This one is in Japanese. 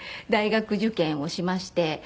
大学受験をしまして。